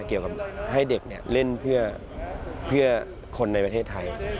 เกี่ยวกับให้เด็กเล่นเพื่อคนในประเทศไทย